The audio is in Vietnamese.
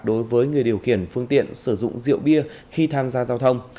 đối với người điều khiển phương tiện sử dụng